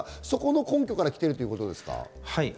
そこの根拠からきているということですか？